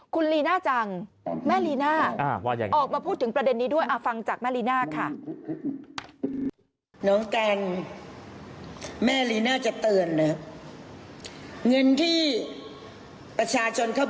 คุณลีน่าจังแม่ลีน่าออกมาพูดถึงประเด็นนี้ด้วยฟังจากแม่ลีน่าค่ะ